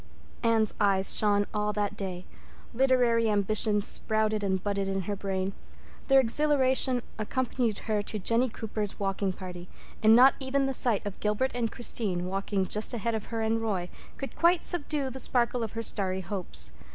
Anne's eyes shone all that day; literary ambitions sprouted and budded in her brain; their exhilaration accompanied her to Jennie Cooper's walking party, and not even the sight of Gilbert and Christine, walking just ahead of her and Roy, could quite subdue the sparkle of her starry hopes.